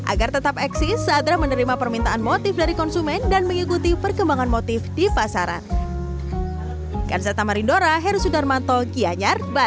agar tetap eksis saatra menerima permintaan motif dari konsumen dan mengikuti perkembangan motif di pasaran